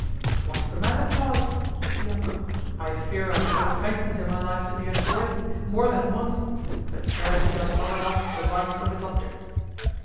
"What is the matter, child?" said the uncle. "I fear I have shewn kindness in my life to the unworthy more than once. But charity doth not adopt the vices of its objects."